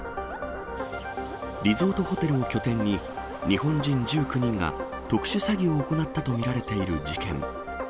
リゾートホテルを拠点に、日本人１９人が特殊詐欺を行ったと見られている事件。